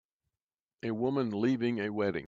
A woman leaving a wedding.